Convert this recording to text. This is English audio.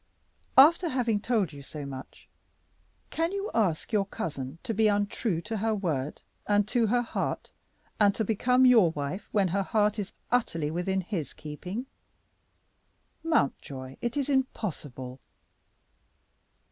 "After having told you so much, can you ask your cousin to be untrue to her word and to her heart, and to become your wife when her heart is utterly within his keeping? Mountjoy, it is impossible."